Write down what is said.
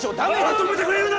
止めてくれるな！